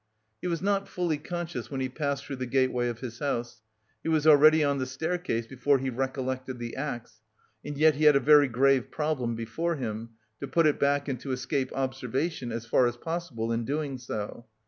He was not fully conscious when he passed through the gateway of his house! He was already on the staircase before he recollected the axe. And yet he had a very grave problem before him, to put it back and to escape observation as far as possible in doing so.